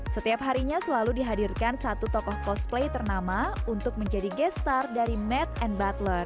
setiap harinya selalu dihadirkan satu tokoh cosplay ternama untuk menjadi gastar dari mat and butler